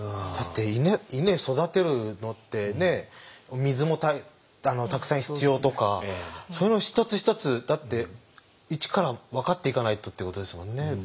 だってイネ育てるのってねえ水もたくさん必要とかそういうのを一つ一つだって一から分かっていかないとってことですもんね。